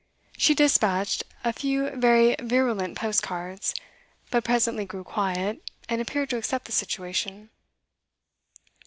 She despatched a few very virulent post cards, but presently grew quiet, and appeared to accept the situation.